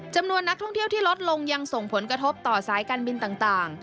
จำนวนนักท่องเที่ยวที่ลดลงยังส่งผลกระทบต่อสายการบินต่าง